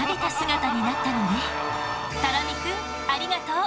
たら実くんありがとう。